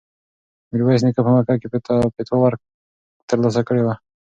میرویس نیکه په مکه کې فتوا ترلاسه کړې وه.